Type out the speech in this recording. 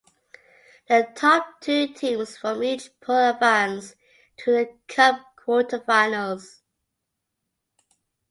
The top two teams from each pool advance to the Cup quarterfinals.